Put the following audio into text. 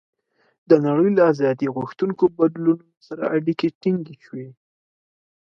د نړۍ له آزادۍ غوښتونکو بدلونونو سره اړیکې ټینګې شوې.